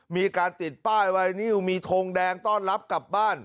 มีการติดป้ายไวนิวมีทงแดงต้อนรับกลับบ้าน